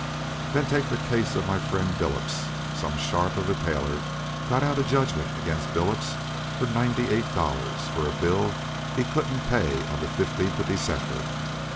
Then take the case of my friend Billups some sharp of a tailor got out a judgment against Billups for ninety eight dollars for a bill he couldn't pay on the fifteenth of December.